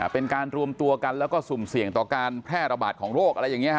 เป็นการรวมตัวกันแล้วก็สุ่มเสี่ยงต่อการแพร่ระบาดของโรคอะไรอย่างนี้